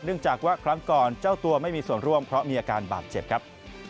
จากว่าครั้งก่อนเจ้าตัวไม่มีส่วนร่วมเพราะมีอาการบาดเจ็บครับ